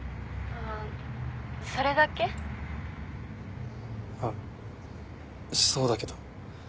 あっそうだけど。